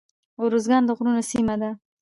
ارزګان د غرونو سیمه ده